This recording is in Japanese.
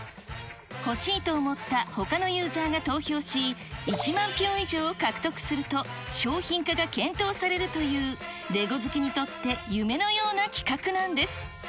欲しいと思ったほかのユーザーが投票し、１万票以上獲得すると、商品化が検討されるというレゴ好きにとって夢のような企画なんです。